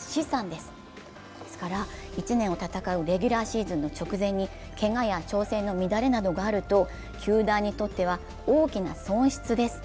ですから１年を戦うレギュラーシーズンの直前にけがや調整の乱れなどがあると球団にとっては大きな損失です。